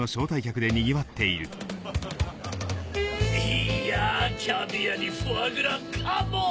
いやキャビアにフォアグラカモ！